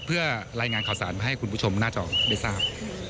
เพื่อรายงานข่าวสารมาให้คุณผู้ชมหน้าจอได้ทราบ